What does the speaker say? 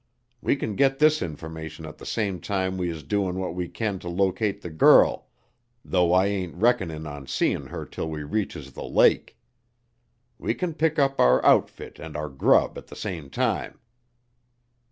We can git this information at th' same time we is doin' what we can to locate th' girl, though I ain't reckonin' on seein' her till we reaches th' lake. We can pick up our outfit and our grub at th' same time."